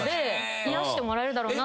癒やしてもらえるだろうなと。